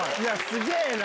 すげぇな！